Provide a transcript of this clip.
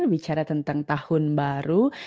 bicara tentang tahun baru